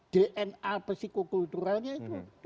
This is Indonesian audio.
dna psikokulturalnya itu